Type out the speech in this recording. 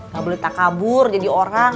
kamu boleh takabur jadi orang